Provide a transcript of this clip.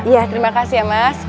ya terima kasih ya mas